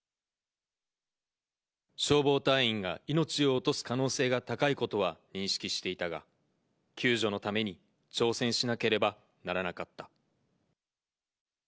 消防隊員が命を落とす可能性が高いことは認識していたが、救助のために挑戦しなければならなかった。